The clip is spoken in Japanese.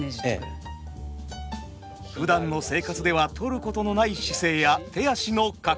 ふだんの生活ではとることのない姿勢や手足の角度。